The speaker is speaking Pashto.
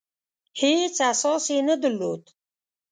هېڅ اساس یې نه درلود.